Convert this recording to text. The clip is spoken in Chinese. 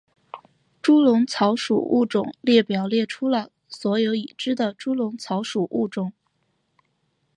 猪笼草属物种列表列出了所有已知的猪笼草属物种。